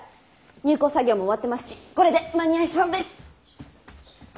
入稿作業も終わってますしこれで間に合いそうです。